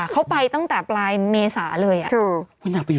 เข้าไปตั้งแต่ปลายเมษายร์เลย